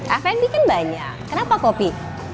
afen bikin banyak kenapa kopi